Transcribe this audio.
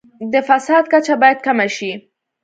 د فساد کچه باید کمه شي.